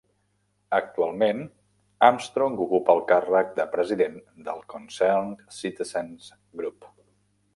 Actualment Armstrong ocupa el càrrec de president del Concerned Citizens Group.